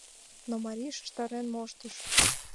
Но марий шижтарен моштыш.